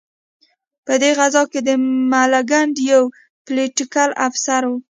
په دې غزا کې د ملکنډ یو پلوټیکل افسر.